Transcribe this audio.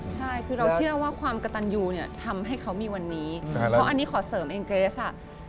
ใช่คือเราเชื่อว่าความกระตันยูเนี่ยทำให้เขามีวันนี้เพราะอันนี้ขอเสริมเองเกรสอ่ะ